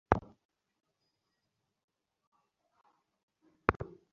এই নীরবতার মধ্যেও কে যেন নিচু গলায় তাকে ডাকছে।